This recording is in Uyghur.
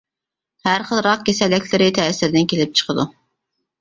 ھەر خىل راك كېسەللىكلىرى تەسىرىدىن كېلىپ چىقىدۇ.